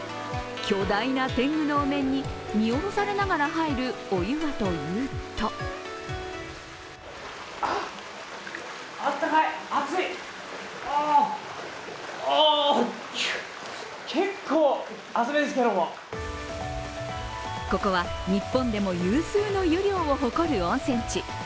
巨大な天狗のお面に見下ろされながら入るお湯はというとここは日本でも有数の湯量を誇る温泉地。